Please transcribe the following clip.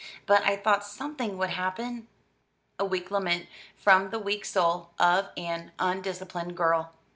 But I thought something would happen." A weak lament from the weak soul of an undisciplined girl.